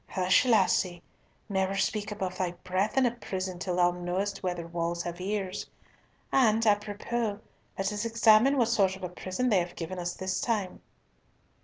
"Hush, lassie. Never speak above thy breath in a prison till thou know'st whether walls have ears. And, apropos, let us examine what sort of a prison they have given us this time."